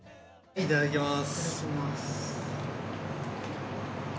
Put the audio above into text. いただきます。